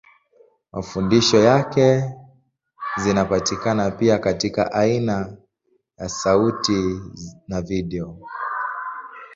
Mafundisho yake zinapatikana pia katika aina ya sauti na video.